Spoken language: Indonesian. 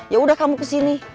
yaudah kamu kesini